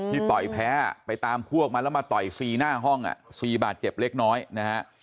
ต่อยแพ้ไปตามพวกมาแล้วมาต่อยซีหน้าห้องซีบาดเจ็บเล็กน้อยนะฮะ